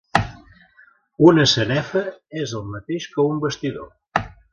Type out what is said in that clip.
Una sanefa és el mateix que un bastidor.